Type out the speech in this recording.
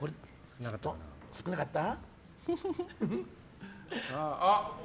少なかった？